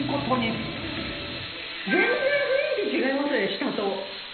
下と。